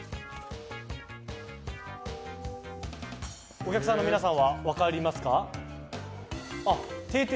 お客さんの皆さんは分かりますか？